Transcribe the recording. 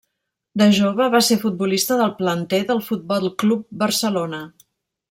De jove va ser futbolista del planter del Futbol Club Barcelona.